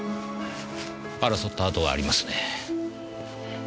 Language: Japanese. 争った跡がありますね。